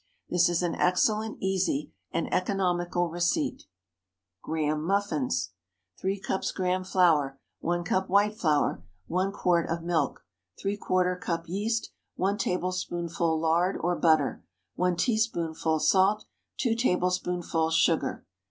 This is an excellent, easy, and economical receipt. GRAHAM MUFFINS. ✠ 3 cups Graham flour. 1 cup white flour. 1 quart of milk. ¾ cup yeast. 1 tablespoonful lard or butter. 1 teaspoonful salt. 2 tablespoonfuls sugar.